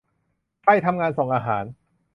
ใครทำงานส่งอาหาร